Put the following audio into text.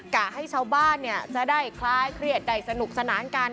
กะให้ชาวบ้านจะได้คลายเครียดได้สนุกสนานกัน